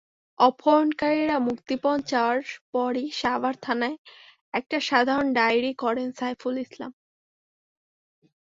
অপহরণকারীরা মুক্তিপণ চাওয়ার পরই সাভার থানায় একটি সাধারণ ডায়েরি করেন সাইফুল ইসলাম।